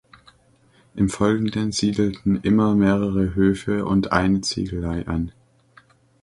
Im Folgenden siedelten immer mehrere Höfe und eine Ziegelei an.